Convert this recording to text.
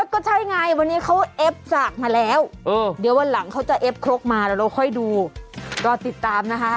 ก็ใช่ไงวันนี้เขาเอฟจากมาแล้วเดี๋ยววันหลังเขาจะเอฟครกมาแล้วเราค่อยดูรอติดตามนะคะ